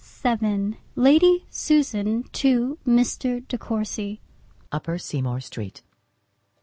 XXXVII Lady Susan to Mr. De Courcy. Upper Seymour Street.